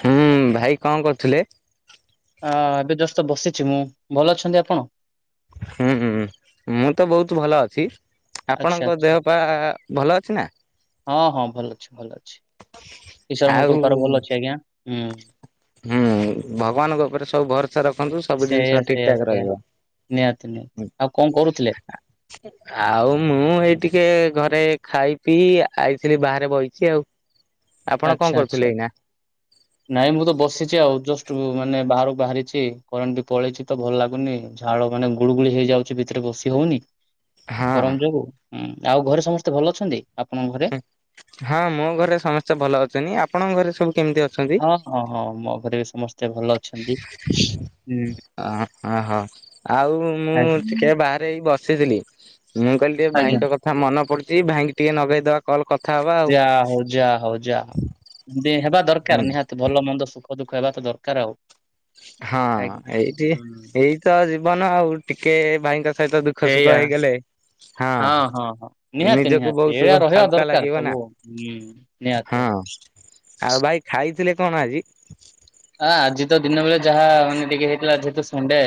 ହୁଁ ଭାଇ କଣ କରୁଥିଲେ? ଅଁ ଏବେ ଜଷ୍ଟ ତ ବସିଛି ମୁଁ ଭଲ ଅଛନ୍ତି ଆପଣ? ହୁଁଁ ମୁଁ ତ ବହୁତ ଭଲ ଅଛି। ଆଚ୍ଛା ଆପଣଙ୍କ ଆଚ୍ଛା। ଦେହ ପା ଭଲ ଅଛି ନା? ହଁ ହଁ ଭଲ ଅଛି ଭଲ ଅଛି। ଈଶ୍ୱରଙ୍କ ଆଉ କୃପାରୁ ଭଲ ଅଛି ଆଜ୍ଞା ହୁଁ। ହୁଁ ଭଗବାନଙ୍କ ଉପରେ ସବୁ ଭରଷା ରଖନ୍ତୁ ସବୁ ସେଇଆ ଜିନିଷ ଠିକ୍ ସେଇଆ ଠାକ୍ ସେଇଆ ରହିବ। ନିହାତି ନିହାତି ଆଉ କଣ କରୁଥିଲେ? ଆଉ ମୁଁ ଏଇ ଟିକେ ଘରେ ଖାଇ ପିଇ ଆଇଥିଲି ବାହାରେ ବଇଚି ଆଉ। ଆପଣ କଣ ଆଚ୍ଛା କରୁଥିଲେ ଆଚ୍ଛା। ଏଇନା? ନାଇଁ ମୁଁ ତ ବସିଚି ଆଉ ଜଷ୍ଟ ମାନେ ବାହାରକୁ ବାହାରିଚି କରେଣ୍ଟ ବି ପଳେଇଚି। ତ ଭଲ ଲାଗୁନି ଝାଳ ମାନେ ଗୁଳୁଗୁଳି ହେଇଯାଉଚି ଭିତରେ ବସିି ହଉନି। [inaudible] ଗରମ ଯୋଗୁଁ ଆଉ ଘରେ ସମସ୍ତେ ଭଲ ଅଛନ୍ତି ଆପଣଙ୍କ ଘରେ? ହଁ ମୋ ଘରେ ସମସ୍ତେ ଭଲ ଅଛନ୍ତି। ଆପଣଙ୍କ ଘରେ ସବୁ କେମିତି ଅଛନ୍ତି? ହଁ ହଁ ହଁ ମୋ ଘରେ ବି ସମସ୍ତେ ଭଲ। ଅଛନ୍ତି। ହୁଁ ଅ ହହୋ ଆଉ ମୁଁ ଆଜ୍ଞା ଟିକେ ବା ହେଇ ବସିଥିଲି ମୁଁ କହିଲି ଟିକେ ଆଜ୍ଞା। ଭାଇଙ୍କ କଥା ମନେ ପଡୁଚି। ଭାଇଙ୍କ ଟିକେ ଲଗେଇଦବା କଲ କଥା ହବା। ଆଉ। ଯାହା ହଉ ଯାହା ହଉ ଯାହା ହଉ ତି ହେବା ହୁଁ ଦରକାର ନିହାତି। ଭଲ ମନ୍ଦ ସୁଖ ଦୁଃଖ ହେବା ତ ଦରକାର ଆଉ। ହଁ ଆଜ୍ଞା। ଏଇଠି ହୁଁ ଏଇ ତ ଜୀବନ ଆଉ ଟିକେ ଭାଇଙ୍କ ସହିତ ଦୁଃ ଖ ସୁଃଖ ସେଇଆ ହେଇଗଲେ ହଁ ହଁ ହଁ ନିହାତି ନିଜକୁ ନିହାତି ଏଇଆ ବହୁତ ରହିବା ହାଲକା ଦରକାର ଲାଗିବ ସବୁ ନା ହୁଁ ନିହାତି ହଁ। ଆଉ ଭାଇ ଖାଇଥିଲେ କଣ ଆଜି? ଆ ଆଜି ତ ଦିନ ବେଳେ ଯାହା ମାନେ ଟିକେ ହେଇଥିଲା ଯେହେତୁ ସଣ୍ଡେ।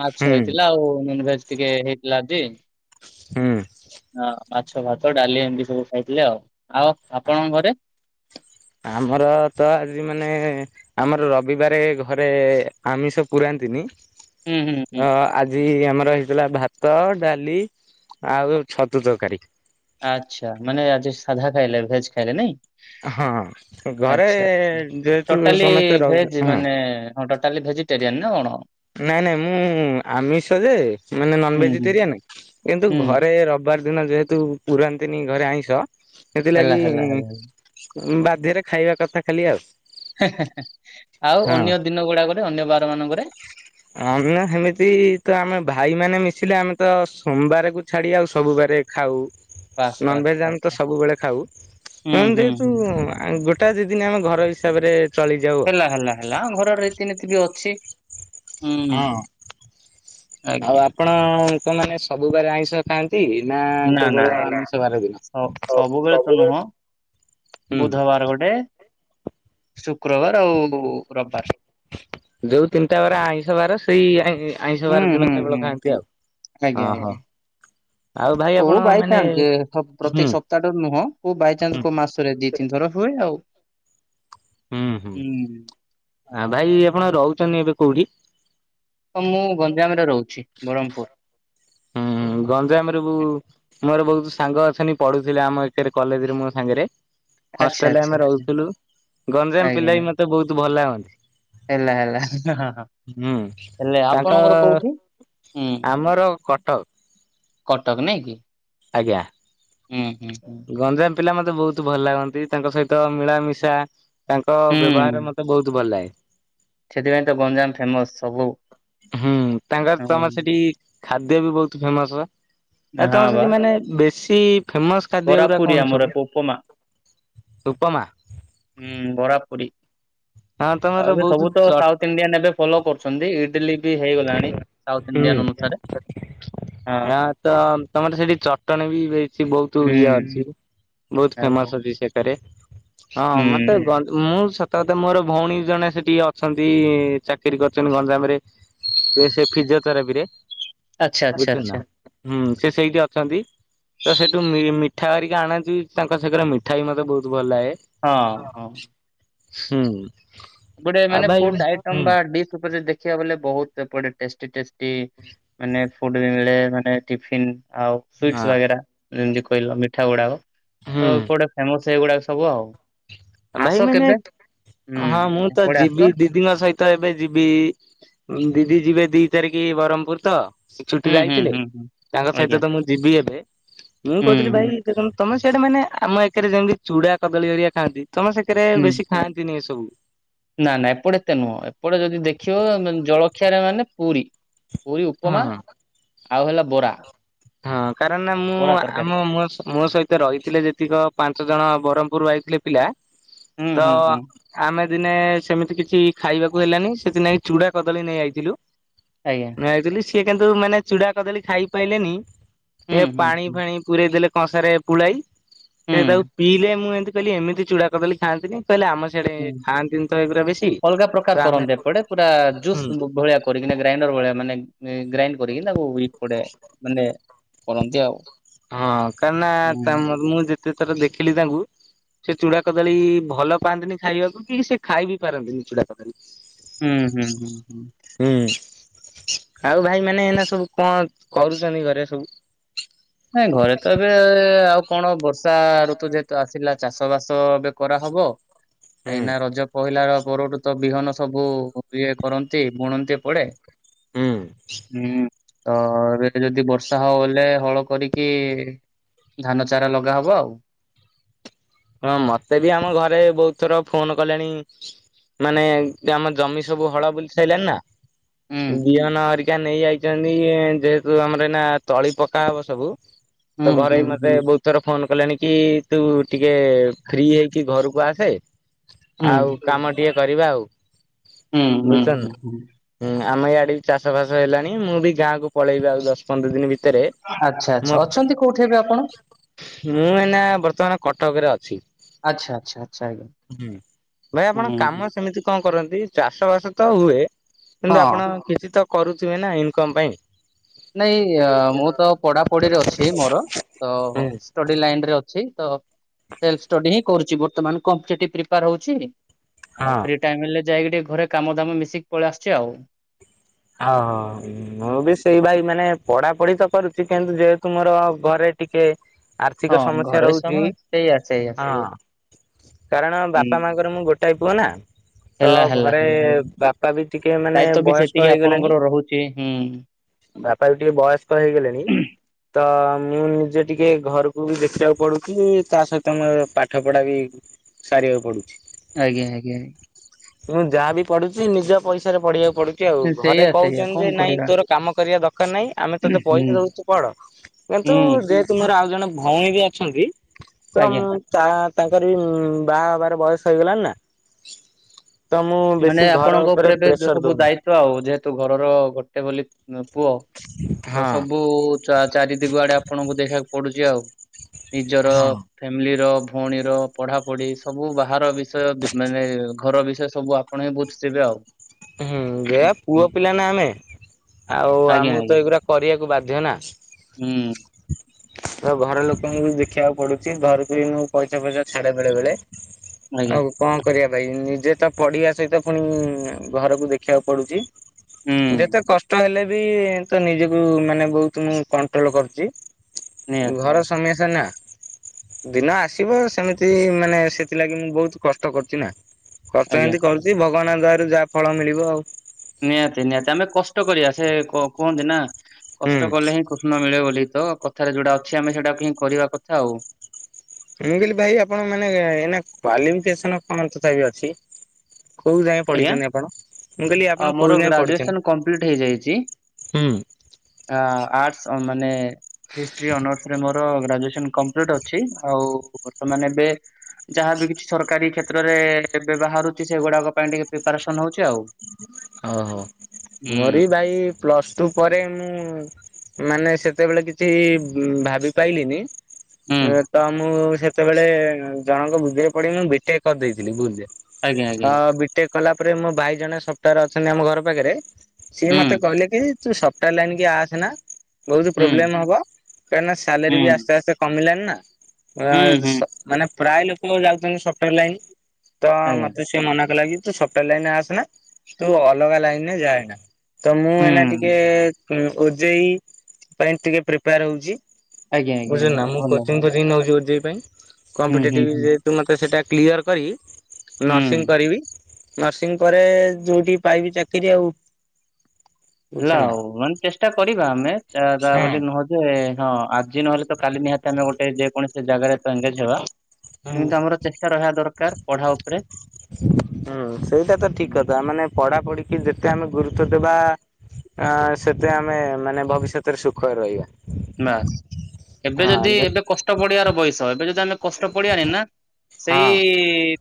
ମାଛ ହୁଁ ହେଇଥିଲା ଆଉ ନନଭେଜ ଟିକେ ହେଇଥିଲା ଆଜି ହୁଁ ହ। ମାଛ ଭାତ ଡାଲି ଏମିତି ସବୁ ଖାଇଥିଲେ ଆଉ। ଆଉ ଆପଣଙ୍କ ଘରେ? ଆମର ତ ଆଜି ମାନେ ଆମର ରବିବାରେ ଘରେ ଆମିଷ ପୁରାନ୍ତିନି। ହୁଁ ହୁଁ ହୁଁ ତ ଆଜ ଜି ଆମର ହେଇଥିଲା ଭାତ ଡାଲି ଆଉ ଛତୁ ତରକାରୀ। ଆଚ୍ଛା ମାନେ ଆଜି ସାଧା ଖାଇଲେ ଭେଜ ଖାଇଲେ ନାଇଁ? ହଁ ଘରେ ଆଛା ଯେହେତୁ ଟୋଟାଲି ସମସ୍ତେ ରହୁ ଭେଜ ହଁ ମାନେ ହଁ ଟୋଟାଲି ଭେଜିଟେରିଆନ୍ ନା କଣ? ନାଇଁ ନାଇଁ ମୁଁ ଆମିଷ ଯେ ମାନେ ନନ ହୁଁ ହୁଁ ଭେଜିଟେରିଆନ କିନ୍ତୁ ହୁଁ ଘରେ ର ବ ବାର ଦିନ ଯେହେତୁ ପୁରାନ୍ତିନି ଘରେ ଆଇଁଷ ହେଲା ସେଥିଲାଗି ହେଲା ହେଲା ହେଲା ଉଁ ବାଧ୍ୟରେ ଖାଇବା କଥା ଖାଲି ଆଉ। ଆଉ ହଁ ଅନ୍ୟ ଦିନ ଗୁଡାକରେ ଅନ୍ୟ ବାର ମାନଙ୍କରେ? ଆଉ ମାନେ ସେମିତି ତ ଆମେ ଭାଇ ମାନେ ମିଶିଲେ ଆମେ ତ ସୋମବାରକୁ ଛାଡି ଆଉ ସବୁବାରେ ଖାଉ। ବାସ୍ ବାସ୍ ନନଭେଜ ବାସ୍ ଆମେ ତ ବାସ୍ ସବୁବେଳେ ଖାଉ। ହୁଁ ହଁ ହୁଁ ଯେହେତୁ ହୁଁ ଗ ଟା ଦିଦିନ ଆମ ଘର ହିସାବରେ ଚଳି ଯାଉ। ହେଲା ହେଲା ଘରର ରୀତିନୀତି ବି ଅଛି। ହୁଁ ହଁ ଆଉ ଆଜ୍ଞା ଆପଣଙ୍କ ମାନେ ସବୁବେଳେ ଆଇଁଷ ଖାଆ ନ୍ତି ନା ନା କେବଳ ନା ଆମିଷ ବାର ଦିନ? ସ- ସବୁବେଳେ ତ ନୁହଁ ହୁଁ। ବୁଧବାର ଗୋଟେ ଶୁକ୍ରବାର ଆଉ ରବିବାର। ଯୋଉ ତିନିଟା ବାର ଆଇଁଷ ବାର ସେଇ ଆଇଁଷ ହୁଁ ବାର ଦିନ ହୁଁ କେବଳ ହୁଁ ଖାଆନ୍ତି ଆଉ ଓହୋ। ଆଉ ଭାଇ କଉ ଆପଣ ବାଇ ମାନେ ଚାନ୍ସ ହୁଁ ପ୍ରତି ସପ୍ ପ୍ତାହଟେ ନୁହଁ କଉ ବାଇଚାନ୍ସ କୋ ମାସ ରେ ଦି ତିନି ଥର ହୁଏ ଆଉ। ହୁଁ। ଆ ଭାଇ ଆପଣ ରହୁଚନ୍ତି ଏବେ କୋଉଠି? ହଁ ମୁଁ ଗଞ୍ଜାମରେ ରହୁଚି ବରମ୍ପୁର। ହୁଁ ଗଞ୍ଜାମରେବୁ ମୋର ବହୁତ ସାଙ୍ଗ ଅଛନ୍ତି ପଢୁଥିଲେ ଆମ ଏକରେ କଲେଜ ରେ ମୋ ସାଙ୍ଗରେ। ଆଚ୍ଛା ହଷ୍ଟେଲରେ ଆଚ୍ଛା ଆମେ ଆଚ୍ଛା ରହୁଥିଲୁ। ଗଞ୍ଜାମ ଆଜ୍ଞା ପିଲା ବି ମତେ ବହୁତ ଭଲ ହେଲା ଲାଗନ୍ତି। ହେଲା ହଁ ହଁ ହୁଁ ହେଲେ ତାଙ୍କ ଆପଣଙ୍କର କୋଉଠି? ହୁଁ ଆମର କଟକ। କଟକ ନାଇଁ କି? ଆଜ୍ଞା। ହୁଁ ହୁଁ ହୁଁ। ଗଞ୍ଜାମ ପିଲା ମତେ ବହୁତ ଭଲ ଲାଗନ୍ତି ତାଙ୍କ ସହିତ ମିଳାମିଶା, ତାଙ୍କ ବ୍ୟବହାରରେ ହୁଁ ମତେ ବହୁତ ଭଲ ଲାଗେ। ସେଥିପାଇଁ ତ ଗଞ୍ଜାମ ଫେମସ ସବୁ ହୁଁ ତାଙ୍କର ହଁ, ତମର ସେଠି ଖାଦ୍ୟ ବି ବହୁତ ଫେମସ ପା ହଁ ତମ ବା ସେଠି ମାନେ ବେଶୀ ଫେମସ ଖାଦ୍ୟ ବରା ଗୁଡା ପୁରୀ କଣ ଆମର ସବୁ? ଉପମା ଉପମା ହୁଁ ବରା ପୁରି, ହଁ ତମର ଆଉ ଏବେ ବହୁତ ସବୁ ତ ଚ ସାଉଥ ଇଣ୍ଡିଆନ୍ ଏବେ ଫଲୋ କରୁଛନ୍ତି ଇଡିଲି ବି ହେଇଗଲାଣି। ସାଉଥ ଇଣ୍ଡିଆନ୍ ଅନୁସାରେ। ହଁ ନାଁ ତ ତମର ସେଠି ଚଟଣୀ ବି ସେ ବହୁତ ଇଏ ହୁଁ ଅଛି ବହୁତ ଆଜ୍ଞା। ଫେମସ ଅଛି ସେଠାରେ ହଁ ମତେ ହୁଁ ମୁଁ ସତକଥା ମୋର ଭଉଣୀ ଜଣେ ସେଠି ଅଛନ୍ତି ଚାକିରି କରିୁଛନ୍ତି ଗଞ୍ଜାମରେ ସେ ସେ ଫିଯୋଥେରାପିରେ ଆଚ୍ଛା ଆଚ୍ଛା ବୁଝିଲୁ ଆଚ୍ଛା ନା ହୁଁ ସେ ସେଇଠି ଅଛନ୍ତି। ତ ସେଠୁ ମିମିଠାଘରିକା ଆଣନ୍ତିୁ ତାଙ୍କ ସାଙ୍ଗରେ ମିଠା ବି ମତେ ବହୁତ ଭଲ ଲାଗେ। ହଁ ହଁ। ହୁଁ। ଗୋଟେ ଆଉ ମାନେ ଭାଇ ଫୁଡ ଆଇଟମ ହୁଁ ବା ଡିସ୍ ଉପରେ ଦେଖିବାକୁ ବଲେ ବହୁତ ସେପଟେ ଟେଷ୍ଟି ଟେଷ୍ଟି। ଟି ମାନେ ଫୁଡରେ ମାନେ ଟିଫିନ୍ ଆଉ ସୁଇଟସ୍ ହଁ ବଗେରା। ଯେମତି କହିଲ ମିଠା ଗୁଡାକ ହୁଁ ତ ଏପଟେ ଫେମସ ଏଇଗୁଡାକ ସବୁ ଆଉ। ଭାଇ ଆସ ମାନେ କେବେ ହୁଁ ହଁ ମୁଁ ତ ଏପଟେ ଯିବି ଆସ ଦି ଦିଦିଙ୍କ ସହିତ ଏବେ ଯିବି ଦିଦି ଯିବେ ଦି ତାରିଖ ବ୍ରହ୍ମପୁର ତ, ସେ ହୁଁ ଛୁଟିରେ ହୁଁ ଆଇଥିଲେ ହୁଁ ହୁଁ। ତାଙ୍କ ସହିତ ଆଜ୍ଞା ତ ମୁଁ ଯିବି ଏବେ ମୁଁ ହୁଁ କହୁଥିଲି ଭାଇ ତମେ ସିଆଡେ ମାନେ ଆମ ଏକରେ ଯେମିତି ଚୁଡା କଦଳୀ ଘରିଆ ଖାଆନ୍ତି ତମେ ସେକରେ ହୁଁ। ବେଶୀ ଖଆନ୍ତିନି ଏ ସବୁ। ନା ନା ଏପଟେ ଏତେ ନୁହଁ ଏପଟେ ଯଦି ଦେଖିବ ଜଳଖିଆରେ ମାନେ ପୁରୀ। ପୁରି ଉପମା ହଁ। ଆଉ ହେଲା ବରା ହଁ କାରଣ ନା ବରା ମୁଁ ତରକାରୀ ଆମ ମୋ ମୋ ସ ସହିତ ତ ରହିଥିଲେ ଯେତିକ ପାଞ୍ଚ ଜଣ ବ୍ରହ୍ମପୁର ଆଇଥିଲେ ପିଲା ହୁଁ ତ ହୁଁ ହୁଁ ଆମେ ଦିନେ ସେମିତି କିଛି ଖାଇବାକୁ ହେଲାନି ସେଦିନ ଚୁଡା କଦଳୀ ନେଇ ଆଇଥିଲୁ। ଆଜ୍ଞା। ଯାଇଥିଲି ସିଏ କିନ୍ତୁ ମାନେ ଚୁଡା କଦଳୀ ଖାଇପାଇଲେନି ହୁଁ ସେ ହୁଁ ପାଣି ହୁଁ ଫାଣି ପୁରେଇଦେଲେ କଂସାରେ ପୁଳାଇ ହୁଁ ସେ ତାକୁ ପିଇଲେ ମୁଁ ଏମିତି କହିଲି ଏମିତି ଚୁଡ଼ା କଦଳୀ ଖଆନ୍ତିନି କହିଲେ ଆମ ସିଆଡେ ହୁଁ ଖାଆନ୍ତିନି ତ ଏଗୁରା ବେଶୀ ଅଲଗା ତ ପ୍ରକାର ଆମେ କରନ୍ତି ଏପଟେ ପୁରା ହୁଁ ଜୁସ୍ ଭଳିଆ କରିକିନା ଗ୍ରାଇଣ୍ଡର ଭଲିଆ ମାନେ ଗ୍ରାଇଣ୍ଡ କରିକି ତାକୁ୍ [inaudible] ପଡେ ମାନେ କରନ୍ତି ଆଉ। ହଁ କାହିଁକିନା ହୁଁ ତା ମୁଁ ଯେତେ ଥର ଦେଖିଲି ତାଙ୍କୁ। ସେ ଚୁଡା କଦଳୀ ଭଲ ପାଆନ୍ତିନି ଖାଇବାକୁ କି ସେ ଖାଇବିି ପାରନ୍ତିନି ଚୁଡା କଦଳୀ। ହୁଁ ହୁଁ। ହୁଁ ଆଉ ଭାଇମାନେ ଏନା ସବୁ କଣ କରୁଛନ୍ତି ଘରେ ସବୁ। ନାଇଁ ଘରେ ତ ଏବେ ଆଉ କଣ ବର୍ଷା ଋତୁ ଯେହେତୁ ଆସିଲା ଚାଷ ବାସ ଏବେ କରାହବ କାଇଁକିନା ରଜ ପହିଲାର ପରଠୁ ତ ବିହନ ସବୁ ଇଏ କରନ୍ତି ବୁଣନ୍ତି ଏପଡେ ହୁଁ। ତ ଏବେ ଯଦି ବର୍ଷା ହଉ ହୋଇଲେ ହଳ କରିକି ଧାନ ଚାରା ଲଗା ହବ ଆଉ। ହଁ ମତେ ବି ଆମ ଘରେ ବହୁତ ଥର ଫୋନ କଲେଣି ମାନେ ଆମ ଜମି ସବୁ ହଳ ବୁଲି ସାଇିଲଣିି ନା ହୁଁ ବିହନରିକି ଆ ନେଇ ଆଇଛନ୍ତି ଯେହେତୁ ଆମର ଏଇନା ତଳି ପକା ହବ ସବୁ। ହୁଁ ତ ଘରେ ହୁଁ ମୋତେ ହୁଁ ବହୁତ ଥର ଫୋନ କଲେଣି କି ତୁ ଟିକେ ଫ୍ରି ହେଇକି ଘରକୁ ଆସେ ଆଉ ହୁଁ କାମ ଟିକେ କରିବା ଆଉ। ହୁଁ ହୁଁ ବୁଝୁଛ ନା। ହୁଁ ହୁଁ ହୁଁ ଆମ ଇଆଡେ ବି ଚାଷ ଫାସ ହେଲାଣି ମୁଁ ବି ଗାଁକୁୁ ପଳେଇବି ଆଉ ଦଶ ପନ୍ଦର ଦିନ ଭିତରେ। ଆଚ୍ଛା ମୋ ଆଚ୍ଛା ଅଛନ୍ତି କୋଉଠି ଏବେ ଆପଣ? ମୁଁ ଏନା ବର୍ତ୍ତମାନ କଟକରେ ଅଛି। ଆଚ୍ଛା ଆଚ୍ଛା ଆଚ୍ଛା ଆଜ୍ଞା ହୁଁ ଭାଇ ହୁଁ ଆପଣ ହୁଁ। କାମ ସେମିତି କଣ କରନ୍ତି ଚାଷ ବାସ ତ ହୁଏ କିନ୍ତୁ ହଁ ଆପଣ କିଛି ତ କରୁଥିବେ ନା ଇନକମ ପାଇଁ। ନାଇଁ ମୁଁ ତ ପଢାପଢିରେ ଅଛି ମୋର ତ ହୁଁ ଷ୍ଟଡି ଲାଇନରେ ଅଛି ତ ସେଲଫ ଷ୍ଟଡି ହିଁ କରୁଛି ବର୍ତ୍ତମାନ କମ୍ପିଟେଟିଭ ପ୍ରିପାର ହଉଛି। ଆଉ ହଁ। ଫ୍ରୀ ଟାଇମ ହେଲେ ଯାଇକି ଟିକେ ଘରେ କାମ ଦାମ ମିଶିକି ପଳେଇ ଆସୁଛି ଆଉ। ଓହୋ ମୁଁ ହୁଁ, ବି ସେଇ ଭାଇ ମାନେ ପଢା ପଢି ତ କରୁଛି କିନ୍ତୁ ଯେହେତୁ ମୋର ଘରେ ଟିକେ ଆର୍ଥିକ ହଁ ସମସ୍ୟା ଘରେ ରହୁଛି ସମୟ ସେଇଆ ସେଇଆ ସେଇଆ ହଁ କାରଣ ହୁଁ ବାପା ମାଙ୍କର ମୁଁ ଗୋଟାଏ ପୁଅ ନା ତ ହେଲା ହେଲା ଘରେ ହେଲା ହେଲା। ବାପା ବି ଟିକେ ମାନେ ବୟସ୍କ ହେଇଗଲେଣି ଣଙ୍କର ରହୁଛି ହୁଁ ବାପା ବି ଟିକେ ବୟସ୍କ ହେଇଗଲେଣି ତ ମୁଁ ନିଜେ ଟିକେ ଘରକୁ ବି ଦେଖିବାକୁ ପଡୁଛି ତା ସହିତ ମୋର ପାଠ ପଢା ବି ସାରିବାକୁ ପଡ଼ୁଛି ଆଜ୍ଞା ଆଜ୍ଞା ମୁଁ ଯାହାବି ପଢୁଛି ନିଜ ପଇସାରେ ପଢିବାକୁ ପଡୁଛି ଆଉ ଆଜ୍ଞା। ଘରେ ସେଇଆ ସେଇଆ କହୁଛନ୍ତି କଣ ଯେ ନାଇଁ କରିବା ତୋର କାମ କରିବା ଦରକାର ନାହିଁ ଆମେ ତୋତେ ହୁଁ ପଇସା ଦଉଛୁ ପଢ ହୁଁ କିନ୍ତୁ ଯେହେ ତୁ ତୁମର ଆଉ ଜଣେ ଭଉଣୀ ବି ଅଛନ୍ତି ତ ଆଜ୍ଞା। ତା ତାଙ୍କର ବି ବାହା ହେବାର ବୟସ ହେଇଗଲାଣି ନା ତ ମୁଁ ମାନେ ବେଶୀ ଘର ଆପଣଙ୍କ ଉପରେ ଏବେ ପ୍ରେସର ସବୁ ଦଉନି ଦାୟିତ୍ଵ ଆଉ ଯେହେତୁ ଘରର ଗୋଟେ ବୋଲି ପୁଅ ହଁ। ସବୁ ଚାରି ଦିଗ ଆଡେ ଆପଣଙ୍କୁ ଦେଖିବାକୁ ପଡୁଛି ଆଉ ନିଜର ହଁ ଫ୍ୟାମିଲିର ଭଉଣୀର ପଢାପଢି ସବୁ ବାହାର ବିଷୟ ମାନେ ଘର ବିଷୟ ସବୁ ଆପଣ ହିଁ ବୁଝିଥିବେ ଆଉ ହୁଁ ଯେ ପୁଅ ହୁଁ। ପିଲା ନା ଆମେ ଆଉ ଆଜ୍ଞା ଆମକୁ ଆଜ୍ଞା ତ ଏଇଗୁଡା କରିବାକୁ ବାଧ୍ୟ ନା ହୁଁ [unintelligible] ତ ଘର ଲୋକଙ୍କୁ ବି ଦେଖିବାକୁ ପଡୁଛି ଘରକୁ ମୁଁ ପଇସା ଫଇସା ଛାଡେ ବେଳେ ବେଳେ ଆଜ୍ଞା ଆଉ କଣ କରିବା ଭାଇ ନିଜେ ତ ପଢିବା ସହିତ ପୁଣି ଘରକୁ ଦେଖିବାକୁ ପଡୁଛି ହୁଁ ଯେତେ କଷ୍ଟ ହେଲେ ବି ତ ନିଜକୁ ମାନେ ବହୁତ ମୁଁ କଣ୍ଟ୍ରୋଲ କରୁଛି ନିହାତି ଘର ନିହାତି ସମସ୍ୟା ନା ଦିନ ଆସିବ ସେମିତି ମାନେ ସେଥିଲାଗି ମୁଁ ବହୁତ କଷ୍ଟ କରୁଛି ନା କଷ୍ଟ ଆଜ୍ଞା। ଯଦି କରୁଛି ଭଗବାନଙ୍କ ଦୟାରୁ ଯାହା ଫଳ ମିଳିବ ଆଉ ନିହାତି ନିହାତି ଆମେ କଷ୍ଟ କରିବା ସେ କୁହନ୍ତି ନା ହୁଁ। କଷ୍ଟ କଲେ ହିଁ କୃଷ୍ଣ ମିଳେ ବୋଲି ତ କଥାରେ ଯୋଉଟା ଅଛି ଆମେ ସେଇଟାକୁ ହିଁ କରିବା କଥା ଆଉ ମୁଁ କହିଲି ଭାଇ ଆପଣଙ୍କ ମାନେ ଏନା କ୍ୱାଲିଫିକେସନ କଣ ତଥାପି ଅଛି? କୋଉ ଯାଏ ଆଜ୍ଞା ପଢିଛନ୍ତି ଆପଣ ମୁଁ କହିଲି ଆଉ ଆପଣ ମୋର କୋଉ ଯାଏ ଗ୍ରାଜୁଏସନ କମ୍ପ୍ଲିଟ ପଢିଛନ୍ତି? ହୁଁ ଆ ଆର୍ଟସ୍ ମାନେ ହିଷ୍ଟ୍ରି ଅନର୍ସରେ ମୋର ଗ୍ରାଜୁଏସନ କମ୍ପ୍ଲିଟ୍ ଅଛି ଆଉ ବର୍ତ୍ତମାନ ଏବେ ଯାହାବି କିଛି ସରକାରୀ କ୍ଷେତ୍ରରେ ଏବେ ବାହାରୁଛି ସେଗୁଡାକ ପାଇଁ ଟିକେ ପ୍ରିପାରେସନ ହଉଛି ଆଉ ଓହୋ ମୋର ହୁଁ ବି ଭାଇ ପ୍ଲସ୍ ଟୁ ପରେ ମୁଁ ମାନେ ସେତେବେଳେ କିଛି ଭାବି ପାଇଲିିନି ହୁଁ ତ ମୁଁ ସେତେବେଳେ ଜଣଙ୍କ ବୁଦ୍ଧିରେ ପଡିି ମୁଁ ବିଟେକ୍ କରିଦେଇଥିଲି ଭୁଲରେ। ଆଜ୍ଞା ଅ ଆଜ୍ଞା ବିଟେକ୍ କଲା ପରେ ମୋ ଭାଇ ଜଣେ ସଫ୍ଟୱାୟାର ଅଛନ୍ତି ଆମ ଘର ପାଖରେ। ସିଏ ହୁଁ ମତେ କହିଲେ କି ତୁ ସଫ୍ଟୱାୟାର ଲାଇନ କି ଆସେ ନା। ବହୁତ ହୁଁ ପ୍ରୋବ୍ଲେମ୍ ହେବ କାହିଁକିନା ସାଲେରୀ ହୁଁ ବି ଆସ୍ତେ ଆସ୍ତେ କମିଲାଣି ନା। ହୁଁ ହୁଁ ମାନେ ପ୍ରାୟ ଲୋକ ଯାଉଛନ୍ତି ସଫ୍ଟୱୟାର ଲାଇନ୍, ତ ଆଜ୍ଞା ମତେ ସିଏ ମନା କଲା କି ତୁ ସଫ୍ଟୱେୟାର ଲାଇନ ଆସେନା ତୁ ଅଲଗା ଲାଇନରେ ଯାଏନା ତ ମୁଁ ହୁଁ ଏନା ଟିକେ ହଁ ଓଜେଇ ପାଇଁ ଟିକେ ପ୍ରିପେୟାର ହଉଛି। ଆଜ୍ଞା ଆଜ୍ଞା ବୁଝିଲୁ ଆଜ୍ଞା ନା ମୁଁ ଭଲ ହୁଁ କୋଚିଂଫୋଚିଂ ନଉଚି ଓ ଜେଇ ପାଇଁ। ହୁଁ ହୁଁ କମ୍ପିଟେଟିଭ ହୁଁ। ରେ ତୁ ମତେ ସେଟା କ୍ଲିୟର କରି ନର୍ସିଂ କରିବି ନର୍ସିଂ ପରେ ଯୋଉଠି ପାଇବି ଚାକିରି ଆଉ। ହେଲା ବୁଝୁଛନ୍ତି ଆଉ ମାନେ ଚେଷ୍ଟା କରିବା ଆମେ ତା ବୋଲି ନା। ନୁହଁ। ଯେ ହଁ ଆଜି ନହେଲେ ତ କାଲି ନିହାତି ଆମେ ଗୋଟେ ଯେକୌଣସି ଜାଗାରେ ତ ଏଙ୍ଗେଜ ହବା। କିନ୍ତୁ ଆମର ଚେଷ୍ଟା ରହିବା ଦରକାର ପଢା ଉପରେ। ହୁଁ ସେଇଟା ତ ଠିକ ହୁଁ କଥା ମାନେ ପଢାପଢିିକି ଯେତେ ଆମେ ଗୁରୁତ୍ଵ ଦେବା ଆଁ ସେତେ ଆମେ ମାନେ ଭବିଷ୍ୟତରେ ସୁଖରେ ରହିବା। ବାସ୍ ଏବେ ଯଦି ହଁ ଯେ ଏବେ କଷ୍ଟ କଡିବାର ବୟସ ଏବେ ଯଦି ଆମେ କଷ୍ଟ କଡିଆନି ନା ସେଇ ହଁ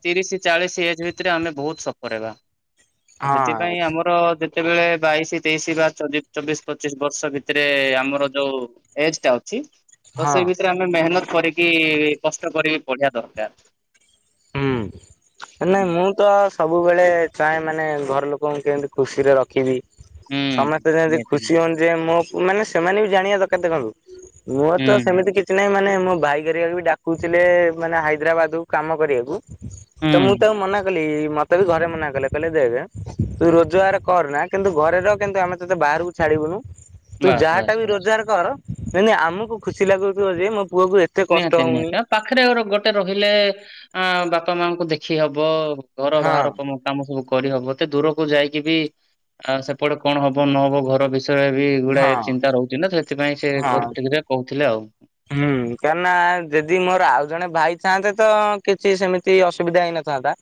ତିରିଶ ଚାଳିସି ଏଜ୍ ଭିତରେ ଆମେ ବହୁତ ସଫର୍ ହେବା ହଁ ସେଥିପାଇଁ ଆମର ଯେତେବେଳେ ବାଇଶି ତେଇଶି ବା ଚବି ଚବିଶ ପଚିଶି ବର୍ଷ ଭିତରେ ଆମର ଯୋଉ ଏଜ ଟା ଅଛି ତ ହଁ ସେଇ ଭିତରେ ଆମେ ମେହନତ କରିକି କଷ୍ଟ କରିକି ପଢିଆ ଦରକାର। ହୁଁ ନାଇଁ ମୁଁ ତ ସବୁବେଳେ ଚାହେଁ ମାନେ ଘର ଲୋକଙ୍କୁ କେମତି ଖୁସିରେ ରଖିବି। ହୁଁ ସମସ୍ତେ ଯେମିତି ନିହାତି ଖୁସି ହୁଅନ୍ତି ଯେ ମୋ ମାନେ ସେମାନେ ବି ଜାଣିବା ଦରକାର ଦେଖନ୍ତୁ। ମୋର ହୁଁ ତ ସେମିତି କିଛି ନାହିଁ ମାନେ ମୋ ଭାଇଗରିବା ବି ଡାକୁଥିଲେ ମାନେ ହାଇଦ୍ରାବାଦକୁ କାମ କରିବାକୁ ତ ମୁଁ ହୁଁ ତ ମନା କଲି ମତେ ତେ ବି ଘରେ ମନା କଲେ କହିଲେ ଦେଖ ତୁ ରୋଜଗାର କରନା କିନ୍ତୁ ଘରେ ରହ କିନ୍ତୁ ଆମେ ତତେ ବାହାରକୁ ଛାଡିବୁନୁ, ତୁ ବାସ୍ ଯାହା ଟା ବାସ୍ ବି ବାସ୍। ରୋଜଗାର କର ଯେମତି ଆମକୁ ଖୁସି ଲାଗୁଥିବ ଯେ ମୋ ପୁଅକୁ ଏ ନିହାତି ନିହାତି ଆ ପାଖରେ ଗୋଟେ ରହିଲେ ଆ ବାପା ମାଙ୍କୁ ଦେଖି ହବ। ଘର ହଁ। ବାହାର କାମ ସବୁ କରିହବ ଏତେ ଦୂରକୁ ଯାଇକି ବି ଆଉ ସେପଟେ କଣ ହବ ନହବ ଘର ବିଷୟରେ ବି ଗୁଡାଏ ହଁ ଚିନ୍ତା ରହୁଛି ନା ସେଥିପାଇଁ ସେ ହଁ। କରିକ କହୁଥିଲେ ଆଉ। ହୁଁ କାହିଁକି ନା ଯେଦି ମୋର ଆଉ ଜଣେ ଭାଇ ଥାଆନ୍ତେ ତ କିଛି ସେମିତି ଅସୁବିଧା ହେଇନଥାନ୍ତା।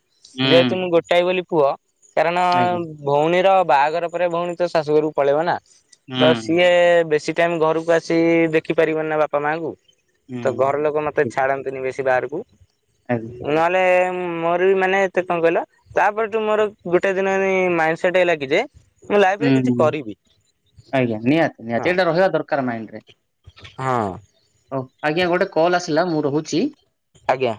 ଯେହେତୁ ହୁଁ ମୁଁ ଗୋଟାଏ ବୋଲି ପୁଅ, କାରଣ ଆଜ୍ଞା ଭଉଣୀର ବାହାଘର ପରେ ଭଉଣୀ ତ ଶାଶୁଘରକୁ ପଳେଇବ ନା ତ ହୁଁ ସିଏ ବେଶୀ ଟାଇମ୍ ଘରକୁ ଆସି ଦେଖି ପାରିବନି ନା ବାପା ମାଙ୍କୁ ତ ହୁଁ। ଘର ଲୋକ ମତେ ଠିକ୍ ଛାଡ଼ନ୍ତିନି ବେଶୀ ବାହାରକୁ ଆଜ୍ଞା ନହେଲେ ମୋର ବି ମାନେ ଏତେ କଣ କହିଲ? ତାପରଠୁ ମୋର ଗୋଟେ ଦିନ ମାଇଣ୍ଡ ସେଟ ହେଇଲା କି ଯେ ମୁଁ ଲାଇଫରେ କିଛି ହୁଁ କରିବି ଆଜ୍ଞା, ନିହାତି ହଁ ନିହାତି ଏଇଟା ରହିବା ଦରକାର ମାଇଣ୍ଡରେ। ହଁ। ହଉ ଆଜ୍ଞା ଗୋଟେ କଲ ଆସିଲା ମୁଁ ରହୁଛି। ଆଜ୍ଞା।